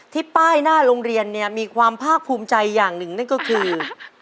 ป้ายหน้าโรงเรียนเนี่ยมีความภาคภูมิใจอย่างหนึ่งนั่นก็คือ